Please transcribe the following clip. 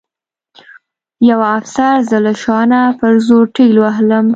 یوه افسر زه له شا نه په زور ټېل وهلم